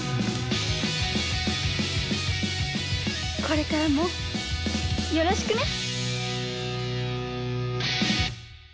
これからもよろしくね。